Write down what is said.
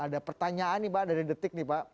ada pertanyaan nih pak dari detik nih pak